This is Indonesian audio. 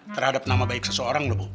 terhadap nama baik seseorang lho bu